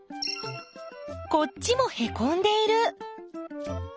こっちもへこんでいる！